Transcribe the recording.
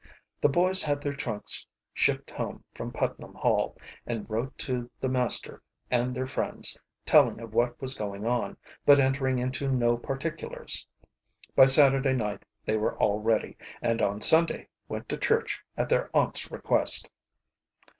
The boys had their trunks shipped home from Putnam Hall, and wrote to the master and their friends telling of what was going on, but entering into no particulars. By Saturday night they were all ready, and on Sunday went to church at their aunt's request.